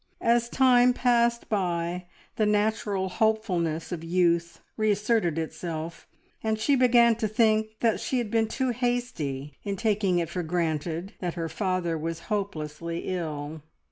As time passed by, the natural hopefulness of youth reasserted itself, and she began to think that she had been too hasty in taking it for granted that her father was hopelessly ill.